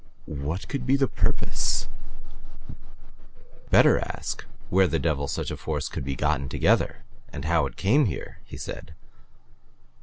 "What could be the purpose " "Better ask where the devil such a force could be gotten together and how it came here," he said.